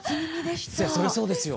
そりゃそうですよ。